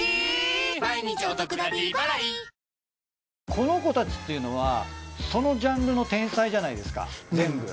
この子たちっていうのはそのジャンルの天才じゃないですか全部。